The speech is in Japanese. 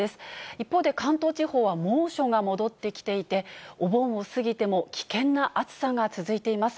一方で関東地方は猛暑が戻ってきていて、お盆を過ぎても、危険な暑さが続いています。